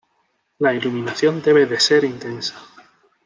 La iluminación debe de ser intensa.